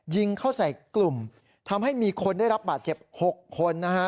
ยิงเข้าใส่กลุ่มทำให้มีคนได้รับบาดเจ็บ๖คนนะฮะ